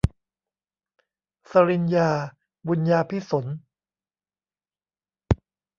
ศรินยา บุนยาภิสนท์